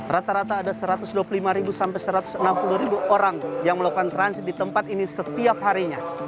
rata rata ada satu ratus dua puluh lima sampai satu ratus enam puluh orang yang melakukan transit di tempat ini setiap harinya